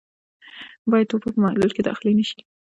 باید اوبه په محلول کې داخلې نه شي.